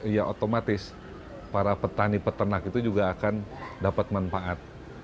ya otomatis para petani peternak itu juga akan dapat manfaat